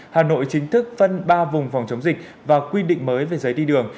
hà nội chính thức phân ba vùng phòng chống dịch và quy định mới về giấy đi đường